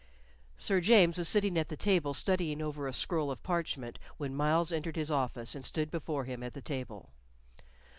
Sir James was sitting at the table studying over a scroll of parchment, when Myles entered his office and stood before him at the table.